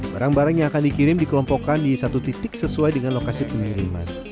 barang barang yang akan dikirim dikelompokkan di satu titik sesuai dengan lokasi pengiriman